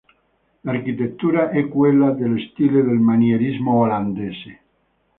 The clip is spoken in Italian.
L'architettura è quella dello stile del manierismo olandese.